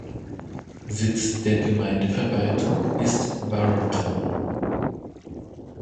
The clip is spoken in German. Sitz der Gemeindeverwaltung ist Warrenton.